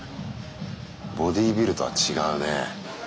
ボディービルとは違うね。